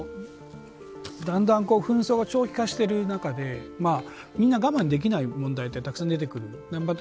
だんだん紛争が長期化している中でみんな我慢できない問題はたくさん出てくる。